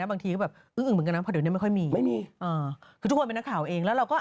นางคิดแบบว่าไม่ไหวแล้วไปกด